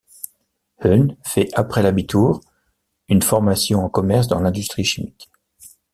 Höhne fait après l'abitur une formation en commerce dans l'industrie chimique.